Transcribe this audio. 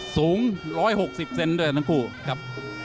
สูง๑๖๐เซนด้วยทั้งคู่ครับ